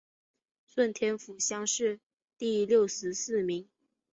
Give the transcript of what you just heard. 顺天府乡试第六十四名。